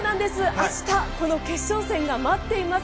明日、この決勝戦が待っています。